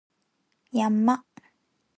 山